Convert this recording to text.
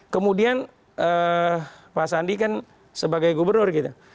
kemudian pak sandi kan sebagai gubernur gitu